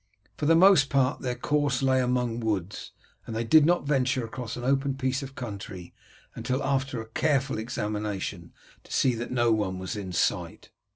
For the most part their course lay among woods, and they did not venture across an open piece of country until after a careful examination to see that no one was in sight.